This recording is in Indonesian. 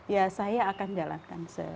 ya saya akan jalankan